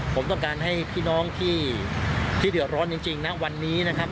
ผมต้องการให้พี่น้องที่เดือดร้อนจริงนะวันนี้นะครับ